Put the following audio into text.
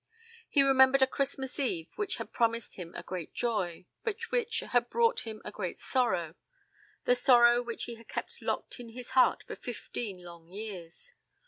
He remembered a Christmas Eve which had promised him a great joy, but which had brought him a great sorrow the sorrow which he had kept locked in his heart for fifteen long years.